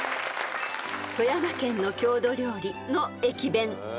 ［富山県の郷土料理の駅弁］